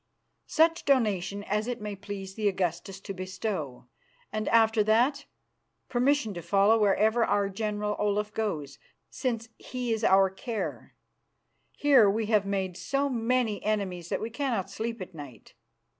"Such donation as it may please the Augustus to bestow, and after that permission to follow wherever our General Olaf goes, since he is our care. Here we have made so many enemies that we cannot sleep at night."